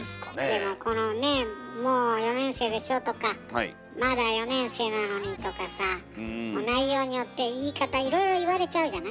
でもこのね「もう４年生でしょ」とか「まだ４年生なのに」とかさ内容によって言い方いろいろ言われちゃうじゃない？